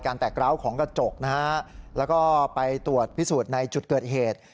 แตกร้าวของกระจกนะฮะแล้วก็ไปตรวจพิสูจน์ในจุดเกิดเหตุ